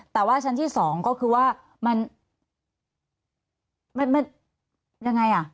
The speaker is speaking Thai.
แต่ว่าชั้นที่สองก็คือว่ามันยังไงอ่ะ